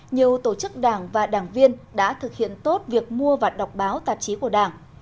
nhiều tổ chức đảng và đảng viên đã thực hiện tốt việc mua và đọc báo tạp chí của đảng